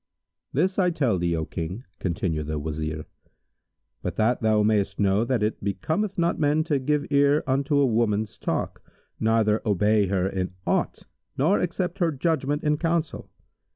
"This I tell thee, O King," continued the Wazir, "But that thou mayst know that it becometh not men to give ear unto a woman's talk neither obey her in aught nor accept her judgment in counsel.